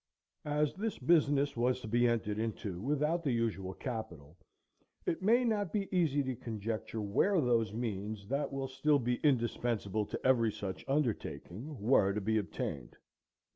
As this business was to be entered into without the usual capital, it may not be easy to conjecture where those means, that will still be indispensable to every such undertaking, were to be obtained.